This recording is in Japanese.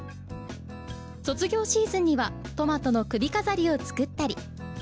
卒業シーズンにはトマトの首飾りを作ったり。